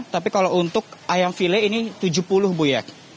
tapi kalau untuk ayam file ini tujuh puluh bu ya